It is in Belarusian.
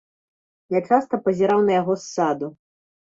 Я часта пазіраў на яго з саду.